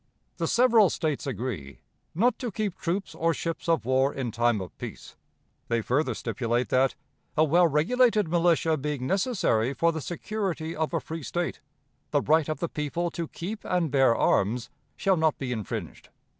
"The several States agree 'not to keep troops or ships of war in time of peace.' They further stipulate that, 'a well regulated militia being necessary for the security of a free State, the right of the people to keep and bear arms shall not be infringed.'